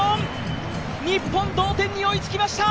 日本、同点に追いつきました！